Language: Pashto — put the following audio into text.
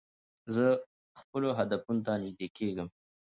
زه خپلو هدفونو ته نژدې کېږم.